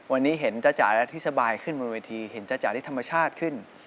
วันนี้เห็นจ้าจ๋าแล้วที่สบายขึ้นบนเวทีเห็นจ้าจ๋าที่ธรรมชาติขึ้น